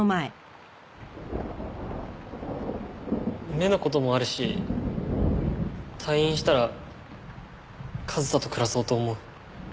目の事もあるし退院したら和沙と暮らそうと思う。